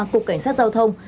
cục cảnh sát giao thông